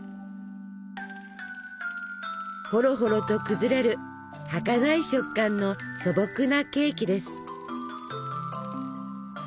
ほろほろと崩れるはかない食感の素朴なケーキです。